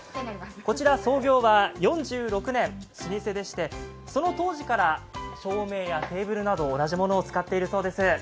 こちら創業は４６年、老舗でして、その当時から照明やテーブルなど同じものを使っているそうです。